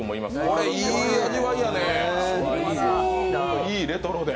これ、いい味わいやね、レトロで。